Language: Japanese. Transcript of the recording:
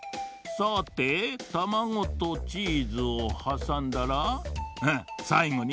さてたまごとチーズをはさんだらうんさいごに。